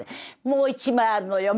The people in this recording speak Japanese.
「もう一枚あるのよ！